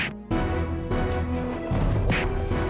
lu pikir lu siapa